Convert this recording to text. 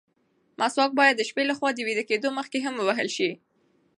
مسواک باید د شپې له خوا د ویده کېدو مخکې هم ووهل شي.